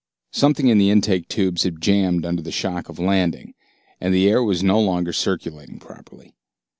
Something in the intake tubes had jammed under the shock of landing, and the air was no longer circulating properly.